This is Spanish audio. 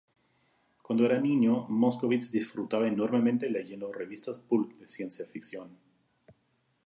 Cuando era niño, Moskowitz disfrutaba enormemente leyendo revistas "pulp" de ciencia ficción.